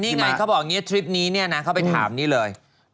นี่ไงเขาบอกนี้ทริปนี้เขาไปถามนี่เลย